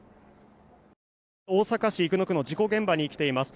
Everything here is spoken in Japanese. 大阪市生野区の事故現場に来ています。